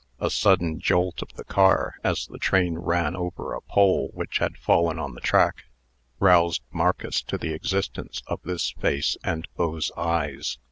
A sudden jolt of the car, as the train ran over a pole which had fallen on the track, roused Marcus to the existence of this face and those eyes.